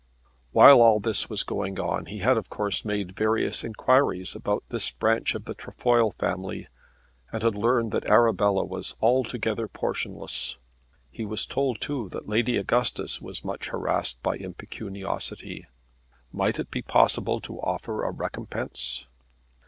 While all this was going on he had of course made various inquiries about this branch of the Trefoil family and had learned that Arabella was altogether portionless. He was told too that Lady Augustus was much harassed by impecuniosity. Might it be possible to offer a recompense?